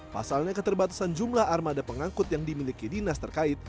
pasalnya keterbatasan jumlah armada pengangkut yang dimiliki dinas terkait